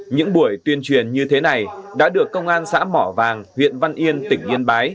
những buổi tuyên truyền như thế này đã được công an xã mỏ vàng huyện văn yên tỉnh yên bái